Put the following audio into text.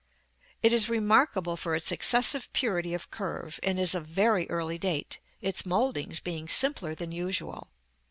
It is remarkable for its excessive purity of curve, and is of very early date, its mouldings being simpler than usual.